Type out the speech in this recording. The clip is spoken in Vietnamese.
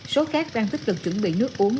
số khác đang tích cực chuẩn bị nước uống